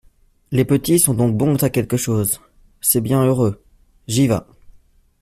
Les petits sont donc bons à quelque chose ! c'est bien heureux ! J'y vas.